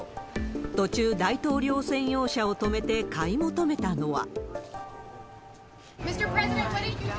途中、大統領専用車を止めて買い求めたのは。